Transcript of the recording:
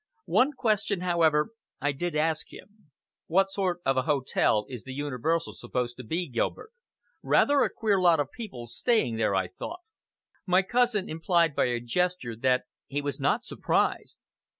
One question, however, I did ask him. "What sort of an hotel is the Universal supposed to be, Gilbert? Rather a queer lot of people staying there, I thought." My cousin implied by a gesture that he was not surprised.